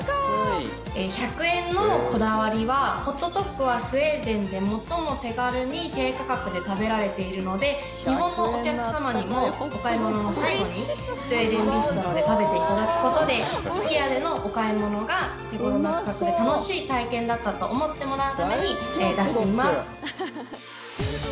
１００円のこだわりはホットドッグはスウェーデンで最も手軽に低価格で食べられているので日本のお客様にもお買い物の最後にスウェーデンビストロで食べていただくことでＩＫＥＡでのお買い物が手頃な価格で楽しい体験だったと思ってもらうために出しています。